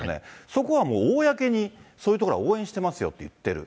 そこはもう、公に、そういうところは応援していますよと言っている。